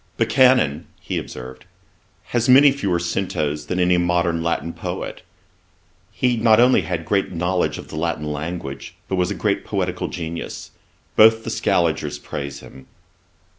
'Buchanan (he observed,) has fewer centos than any modern Latin poet. He not only had great knowledge of the Latin language, but was a great poetical genius. Both the Scaligers praise him.'